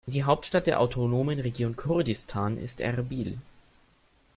Die Hauptstadt der autonomen Region Kurdistan ist Erbil.